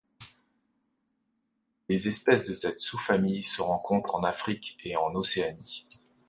Les espèces de cette sous-famille se rencontrent en Afrique et en Océanie.